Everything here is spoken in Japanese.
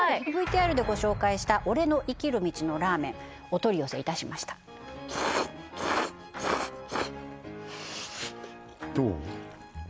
ＶＴＲでご紹介した俺の生きる道のラーメンお取り寄せいたしましたどう？